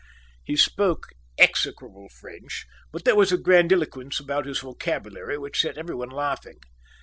He spoke execrable French, but there was a grandiloquence about his vocabulary which set everyone laughing.